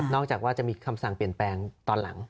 จากว่าจะมีคำสั่งเปลี่ยนแปลงตอนหลัง